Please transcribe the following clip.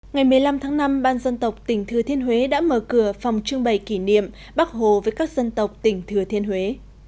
ngày một mươi năm tháng năm ban dân tộc tỉnh thừa thiên huế đã mở cửa phòng trưng bày kỷ niệm bắc hồ với các dân tộc tỉnh thừa thiên huế